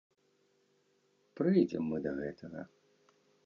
Прыйдзем мы да гэтага.